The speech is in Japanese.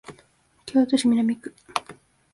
京都市南区